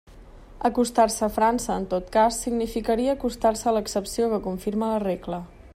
Acostar-se a França en tot cas significaria acostar-se a l'excepció que confirma la regla.